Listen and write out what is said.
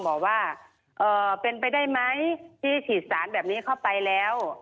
บอกว่าเป็นไปได้ไหมที่ฉีดสารแบบนี้เข้าไปแล้ว